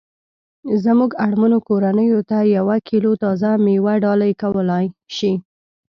زمونږ اړمنو کورنیوو ته یوه کیلو تازه میوه ډالۍ کولای شي